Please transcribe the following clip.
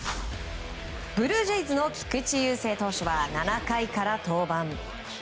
ブルージェイズの菊池雄星投手は７回から登板。